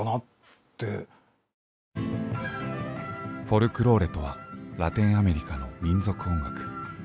フォルクローレとはラテンアメリカの民俗音楽。